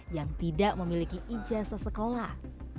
yang tidak memiliki ijazah sekolah